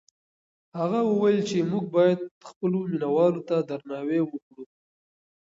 هغه وویل چې موږ باید خپلو مینه والو ته درناوی وکړو.